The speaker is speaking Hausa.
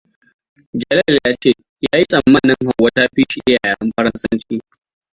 Jalal ya ce ya yi tsammanin Hauwa ta fi shi iya yaren Faransanci.